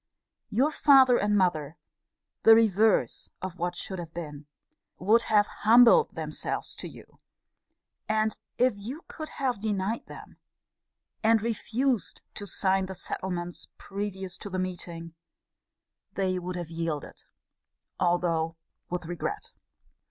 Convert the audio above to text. Your father and mother (the reverse of what should have been!) would have humbled themselves to you: and if you could have denied them, and refused to sign the settlements previous to the meeting, they would have yielded, although with regret.